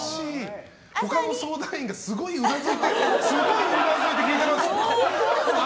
他の相談員がすごいうなずいて聞いています。